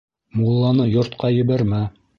Мулланы йортҡа ебәрмә.